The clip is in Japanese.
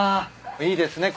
いいですね。